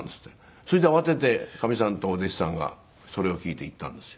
それで慌ててかみさんとお弟子さんがそれを聞いて行ったんですよ。